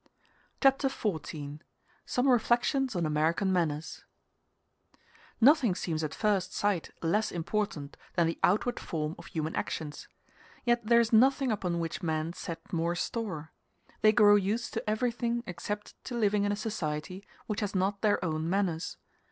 Chapter XIV: Some Reflections On American Manners Nothing seems at first sight less important than the outward form of human actions, yet there is nothing upon which men set more store: they grow used to everything except to living in a society which has not their own manners.